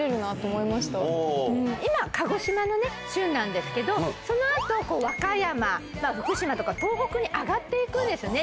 今鹿児島のね旬なんですけどその後和歌山福島とか東北に上がって行くんですよね。